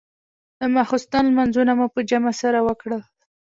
د ماخستن لمونځونه مو په جمع سره وکړل.